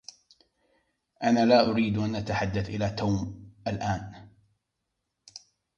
أنا لا أريد أن أتحدث إلى توم الآن.